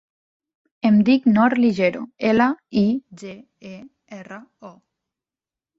Em dic Nor Ligero: ela, i, ge, e, erra, o.